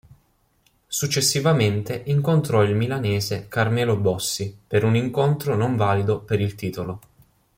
Successivamente incontrò il milanese Carmelo Bossi, per un incontro non valido per il titolo.